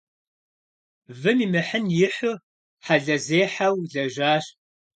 Вым имыхьын ихьу хьэлъэзехьэу лэжьащ.